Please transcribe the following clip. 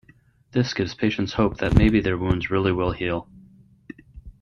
This gives patients hope that maybe their wounds really will heal.